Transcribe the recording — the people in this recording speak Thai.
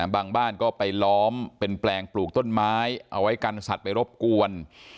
บางบ้านก็ไปล้อมเป็นแปลงปลูกต้นไม้เอาไว้กันสัตว์ไปรบกวน